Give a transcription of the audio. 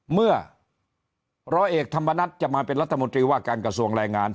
เมื่อร้อยเอกธรรมนัฐจะมาเป็นรัฐมนตรีว่าการกระทรวงแรงงาน